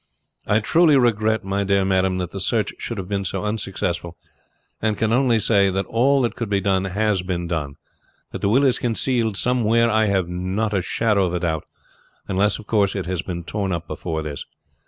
"I truly regret, my dear madam, that the search should have been so unsuccessful, and can only say, that all that could be done has been done. That the will is concealed somewhere I have not a shadow of doubt, unless, of course, it has been torn up before this.